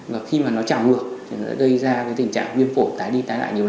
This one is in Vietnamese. và khi mà nó chảu ngược thì nó sẽ gây ra tình trạng viêm phổ tái đi tái lại nhiều lần